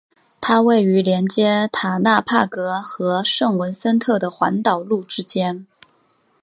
它位于连接塔纳帕格和圣文森特的环岛路之间。